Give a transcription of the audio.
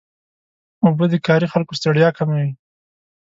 اوبه د کاري خلکو ستړیا کموي.